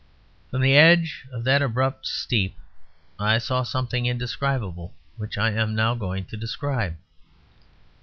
From the edge of that abrupt steep I saw something indescribable, which I am now going to describe.